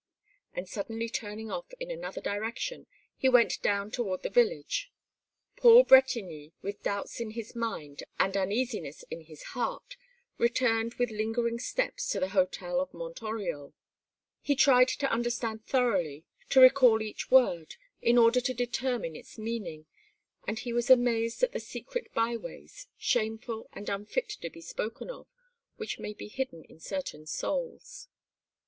And suddenly turning off in another direction, he went down toward the village. Paul Bretigny, with doubts in his mind and uneasiness in his heart, returned with lingering steps to the hotel of Mont Oriol. He tried to understand thoroughly, to recall each word, in order to determine its meaning, and he was amazed at the secret byways, shameful and unfit to be spoken of, which may be hidden in certain souls.